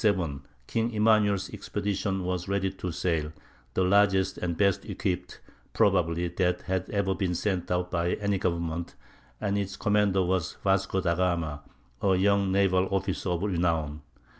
] In 1497 King Emmanuel's expedition was ready to sail—the largest and best equipped, probably, that had ever been sent out by any government, and its commander was Vasco da Gama, a young naval officer of renown.